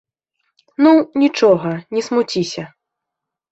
Ну, нічога, не смуціся.